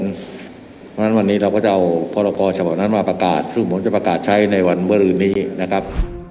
เพราะฉะนั้นวันนี้เราก็จะเอาพรกรฉบับนั้นมาประกาศซึ่งผมจะประกาศใช้ในวันเมื่อรืนนี้นะครับ